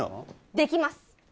できます